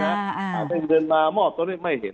ถ้าเป็นเงินนาธิกษ์มอบมอบนะครับไม่เห็น